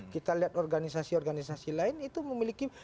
kita lihat organisasi organisasi lain itu memiliki